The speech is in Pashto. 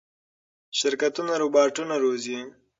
شرکتونه روباټونه روزي.